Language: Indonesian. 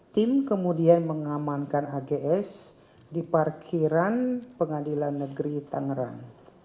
tim kemudian mengamankan ags di parkiran pengadilan negeri tangerang